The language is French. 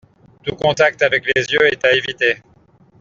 Tout contact avec les yeux est à éviter.